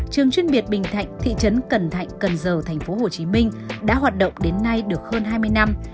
trường chuyên biệt bình thạnh thị trấn cần thạnh cần giờ tp hcm đã hoạt động đến nay được hơn hai mươi năm